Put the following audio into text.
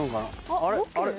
あれ？